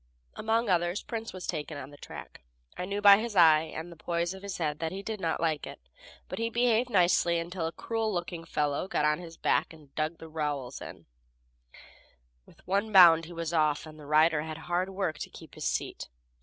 Among others Prince was taken on the track. I knew by his eye, and the poise of his head he did not like it, but he behaved nicely until a cruel looking fellow got on his back and dug the rowels in; with one bound he was off, and the rider had hard work to keep his seat.